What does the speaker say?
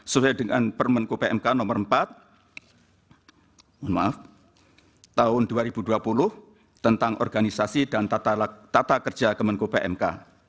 sesuai dengan permenko pmk nomor empat tahun dua ribu dua puluh tentang organisasi dan tata kerja kemenko pmk